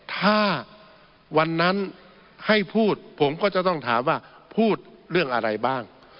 ถ้าวันนั้นให้พูดผมก็จะต้องถามว่าพูดเรื่องอะไรบ้าง